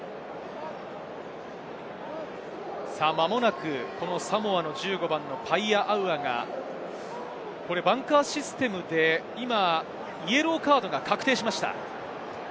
間もなくサモアの１５番、パイアアウアが、バンカーシステムで今、イエローカードが確定しました。